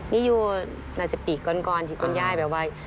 นี่อยู่เคือเปี๋ยกร้อนที่กุญญ่ายแบบว่า